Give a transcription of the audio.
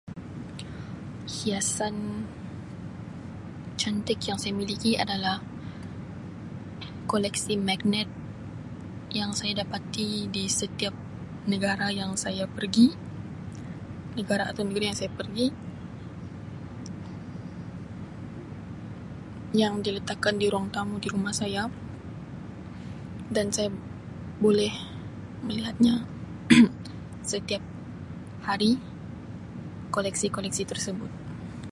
Hiasan cantik yang saya milik adalah koleksi magnet yang saya dapati di setiap negara yang saya pergi, negara atau negeri yang saya pergi. Yang diletakkan di ruang tamu d rumah saya dan saya boleh melihatnya setiap hari koleksi-koleksi tersebut.